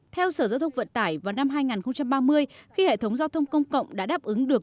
theo sở giao thông vận tải vào năm hai nghìn ba mươi khi hệ thống giao thông công cộng đã đáp ứng được